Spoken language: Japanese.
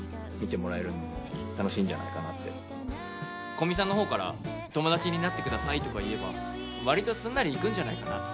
古見さんの方から「友達になって下さい」とか言えば割とすんなりいくんじゃないかなと。